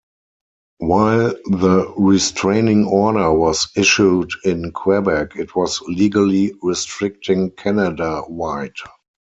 While the restraining order was issued in Quebec, it was legally restricting Canada-wide.